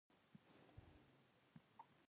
ځان راورسوي دی زمونږ تر خاورې